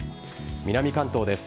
南関東です。